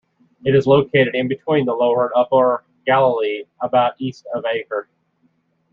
It is located in between the lower and upper Galilee, about east of Acre.